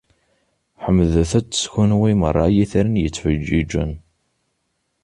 Ḥemdet- t, kunwi merra ay itran yettfeǧǧiǧen!